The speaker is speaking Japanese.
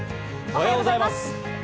おはようございます。